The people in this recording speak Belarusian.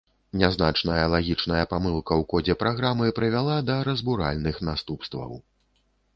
Нязначная лагічная памылка ў кодзе праграмы прывяла да разбуральных наступстваў.